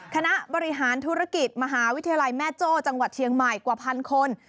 คณะบริหารธุรกิจมหาวิทยาลัยแม่โจ้จังหวัดเชียงใหม่กว่าพันคน